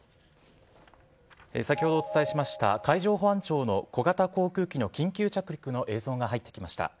先ほどお伝えしました、海上保安庁の小型航空機の緊急着陸の映像が入ってきました。